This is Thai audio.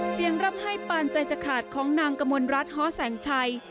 เสียงร่ำให้ปานใจจากขาดของนางกะมวลรัตรฮแสงชัย